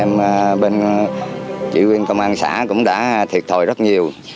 nữ chiến sĩ công an cũng đã thiệt thòi rất nhiều